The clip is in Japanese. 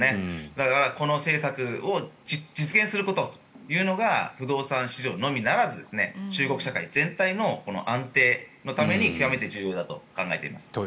だから、この政策を実現することというのが不動産市場のみならず中国社会全体の安定のために極めて重要だと考えています。